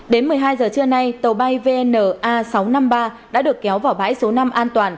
đến một mươi hai h trưa nay tàu bay vna sáu trăm năm mươi ba đã được kéo vào bãi số năm